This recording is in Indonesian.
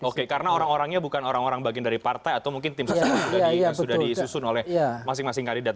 oke karena orang orangnya bukan orang orang bagian dari partai atau mungkin tim sukses yang sudah disusun oleh masing masing kandidat